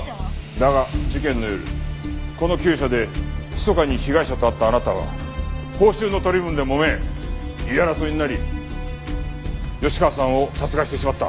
だが事件の夜この厩舎でひそかに被害者と会ったあなたは報酬の取り分でもめ言い争いになり吉川さんを殺害してしまった。